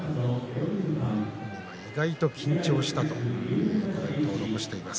本人は意外と緊張したというコメントを残しています。